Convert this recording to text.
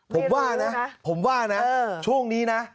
ผมว่านะผมว่านะช่วงนี้นะ